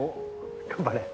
頑張れ！